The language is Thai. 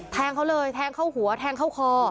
แทงเขาเลยแทงเข้าหัวแทงเข้าคอ